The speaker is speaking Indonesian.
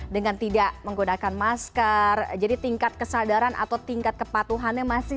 dengan tidak menggunakan masker jadi tingkat kesadaran atau tingkat kepatuhannya masih